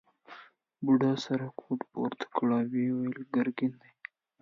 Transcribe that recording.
بوډا سره کوټ پورته کړ او وویل ګرګین دی.